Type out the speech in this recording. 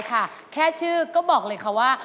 แค่ชื่อก็บอกเลยค่ะว่า